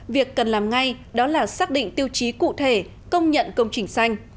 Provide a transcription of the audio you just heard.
việc cần làm ngay đó là xác định tiêu chí cụ thể công nhận công trình xanh